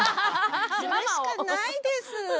それしかないです。